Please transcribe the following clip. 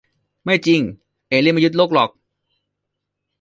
ไม่จริง เอเลี่ยนไม่ยึดโลกหรอก